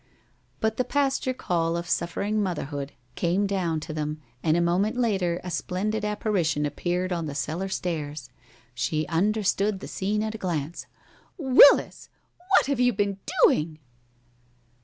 But the pasture call of suffering motherhood came down to them, and a moment later a splendid apparition appeared on the cellar stairs. She understood the scene at a glance. "Willis! What have you been doing?"